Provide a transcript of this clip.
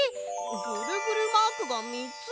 ぐるぐるマークがみっつも？